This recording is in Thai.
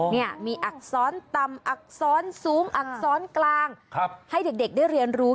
เนี่ยมีอักษรต่ำอักษรสูงอักษรกลางให้เด็กได้เรียนรู้